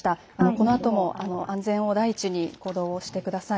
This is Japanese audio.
このあとも安全を第一に行動してください。